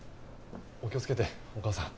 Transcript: お気をつけてお母さん。